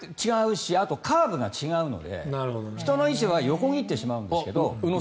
違うしあとカーブが違うので人の位置は横切ってしまうんですが。